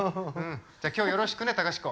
じゃあ今日よろしくね隆子。